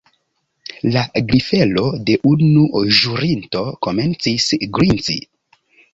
La grifelo de unu ĵurinto komencis grinci.